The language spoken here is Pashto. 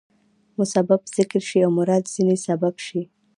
مسبب ذکر شي او مراد ځني سبب يي.